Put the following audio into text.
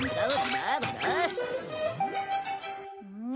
うん？